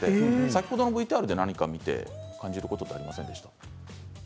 先ほどのＶＴＲを見て感じることありませんでしたか。